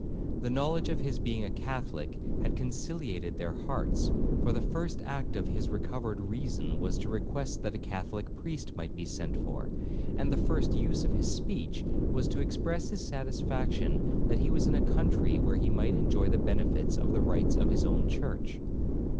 The knowledge of his being a Catholic had conciliated their hearts, for the first act of his recovered reason was to request that a Catholic priest might be sent for, and the first use of his speech was to express his satisfaction that he was in a country where he might enjoy the benefits of the rites of his own church.